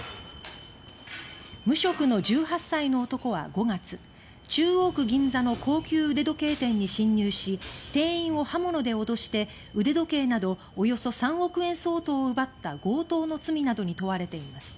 無職の１８歳の男は５月中央区銀座の高級腕時計店に侵入し店員を刃物で脅して腕時計などおよそ３億円相当を奪った強盗の罪などに問われています。